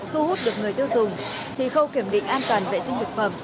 thu hút được người tiêu dùng thì khâu kiểm định an toàn vệ sinh thực phẩm